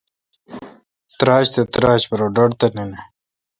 تراچ تہ تراچ پرہ ڈھٹ تہ نہ نہ